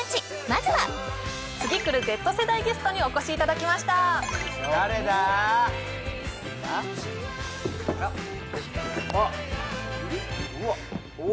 まずは次くるＺ世代ゲストにお越しいただきました誰でしょう誰だ？